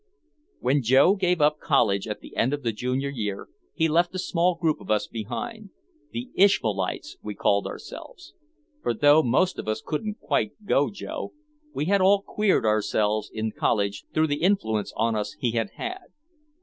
'" When Joe gave up college at the end of the junior year, he left a small group of us behind. "The Ishmaelites," we called ourselves. For though most of us "couldn't quite go Joe," we had all "queered" ourselves in college through the influence on us he had had.